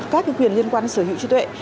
các quyền liên quan đến sở hữu trí tuệ